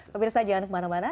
pemirsa jangan kemana mana